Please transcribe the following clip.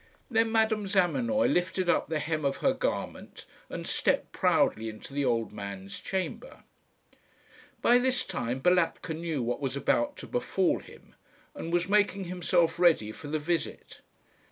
Then Madame Zamenoy lifted up the hem of her garment and stepped proudly into the old man's chamber. By this time Balatka knew what was about to befall him, and was making himself ready for the visit.